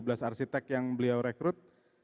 dua belas arsitek yang beliau rekrut